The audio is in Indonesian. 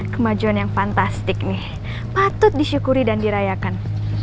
kemajuan yang fantastik nih patut disyukuri dan dirayakan